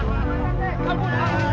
masih ada kecoh